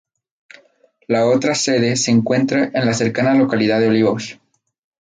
La otra sede se encuentra en la cercana localidad de Olivos.